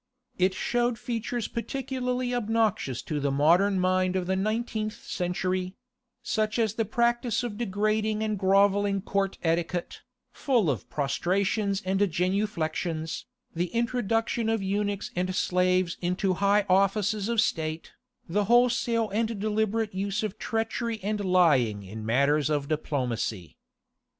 It showed features particularly obnoxious to the modern mind of the nineteenth century—such as the practice of a degrading and grovelling court etiquette, full of prostrations and genuflexions, the introduction of eunuchs and slaves into high offices of State, the wholesale and deliberate use of treachery and lying in matters of diplomacy.